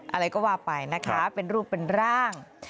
อะไรก็ว่าไปนะคะเป็นรูปเป็นร่าง